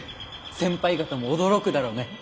先輩方も驚くだろうね！